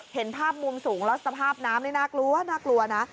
เห็นภาพมุมสูงแล้วสภาพน้ำนี่น่ากลัวน่ากลัวนะ